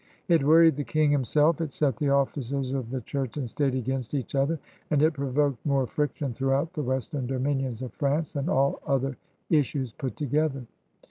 It worried the King himself; it set the officers of the Church and State against each other; and it provoked more friction throughout the western dominions of France than all other issues put together.